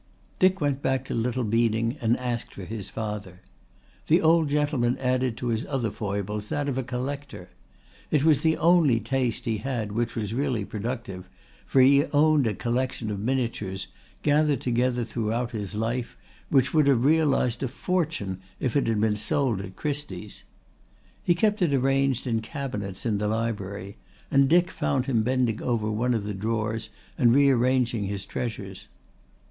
Dick went back to Little Beeding and asked for his father. The old gentleman added to his other foibles that of a collector. It was the only taste he had which was really productive, for he owned a collection of miniatures, gathered together throughout his life, which would have realised a fortune if it had been sold at Christie's. He kept it arranged in cabinets in the library and Dick found him bending over one of the drawers and rearranging his treasures.